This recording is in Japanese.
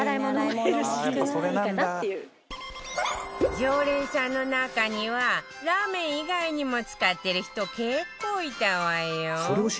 常連さんの中にはラーメン以外にも使ってる人結構いたわよ